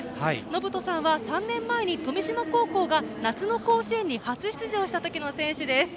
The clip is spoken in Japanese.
のぶとさんは３年前に富島高校が夏の甲子園に初出場した時の選手です。